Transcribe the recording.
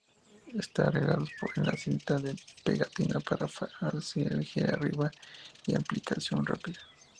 Están arreglados en la cinta de pegatina para fácil elegir-arriba y aplicación rápida.